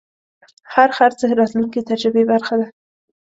هر خرڅ د راتلونکي تجربې برخه ده.